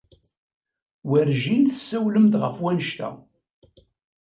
Werjin tessawlem-d ɣef wanect-a.